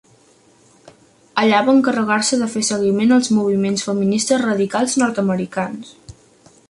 Allà va encarregar-se de fer seguiment als moviments feministes radicals nord-americans.